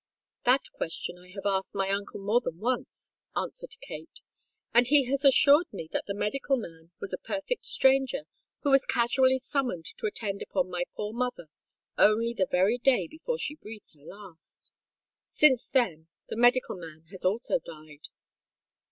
"That question I have asked my uncle more than once," answered Kate; "and he has assured me that the medical man was a perfect stranger who was casually summoned to attend upon my poor mother only the very day before she breathed her last. Since then the medical man has also died."